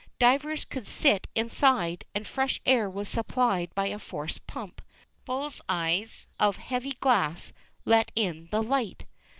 Divers could sit inside, and fresh air was supplied by a force pump. Bull's eyes of heavy glass let in the light.